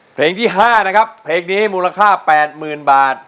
เพลงที่๕นะครับเพลงนี้มูลค่า๘๐๐๐บาท